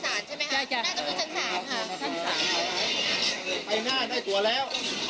ใช่ค่ะไหนพ่อเอสค่ะราทาพันธุ์ทั่วตรงไหนคะไปซื้อตรงไหน